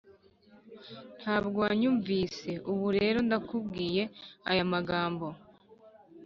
ntabwo wanyumvise, ubu rero ndakubwiye aya magambo ..